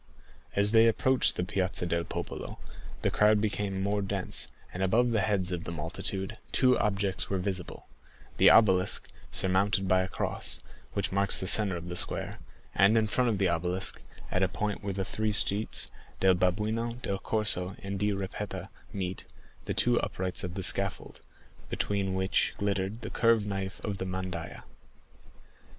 As they approached the Piazza del Popolo, the crowd became more dense, and above the heads of the multitude two objects were visible: the obelisk, surmounted by a cross, which marks the centre of the square, and in front of the obelisk, at the point where the three streets, del Babuino, del Corso, and di Ripetta, meet, the two uprights of the scaffold, between which glittered the curved knife of the mandaïa.